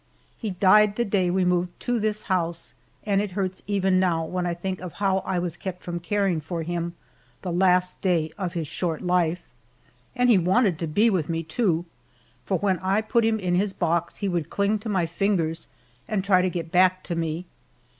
He died the day we moved to this house, and it hurts even now when I think of how I was kept from caring for him the last day of his short life. And he wanted to be with me, too, for when I put him in his box he would cling to my fingers and try to get back to me.